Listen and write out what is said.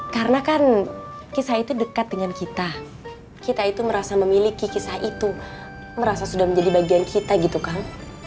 karena kan kisah itu dekat dengan kita kita itu merasa memiliki kisah itu merasa sudah menjadi bagian kita gitu kang